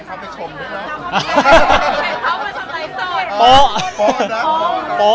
ก็ดูตั้งแต่แรกเลยมั้ยคะน้องคือ